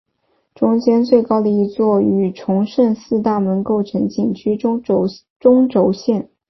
中间最高的一座与崇圣寺大门构成景区中轴线。